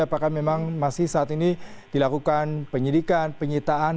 apakah memang masih saat ini dilakukan penyidikan penyitaan